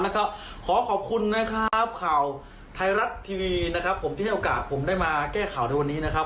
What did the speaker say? แล้วก็ขอขอบคุณนะครับข่าวไทยรัฐทีวีนะครับผมที่ให้โอกาสผมได้มาแก้ข่าวในวันนี้นะครับ